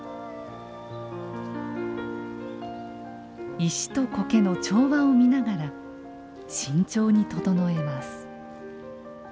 石とコケの調和を見ながら慎重に整えます。